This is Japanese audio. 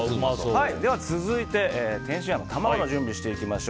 では、続いて天津飯の卵の準備をしていきます。